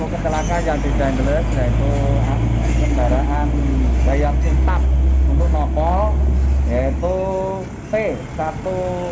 kecelakaan yang di jalan denles yaitu pembaraan bayang pintar untuk nopal yaitu p seribu enam ratus tiga puluh sembilan at